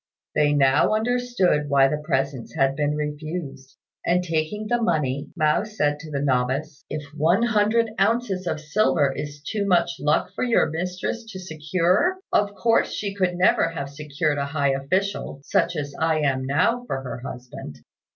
They now understood why the presents had been refused; and taking the money, Mao said to the novice, "If one hundred ounces of silver is too much luck for your mistress to secure, of course she could never have secured a high official, such as I am now, for her husband."